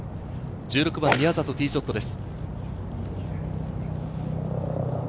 １６番、宮里、ティーショットです。